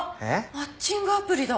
マッチングアプリだ。